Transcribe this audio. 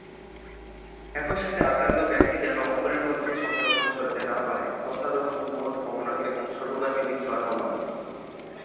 একইসাথে আক্রান্ত ব্যক্তি যেন অপরের মধ্যে সংক্রমণ ছড়াতে না পারে তথা রোগ সংবহন কমানো এবং সর্বোপরি মৃত্যুহার কমানো।